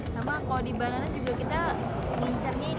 sama kalau di banana juga kita mincernya ini